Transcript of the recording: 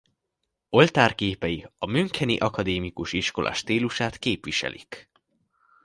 Oltárképei a müncheni akadémikus iskola stílusát képviselik.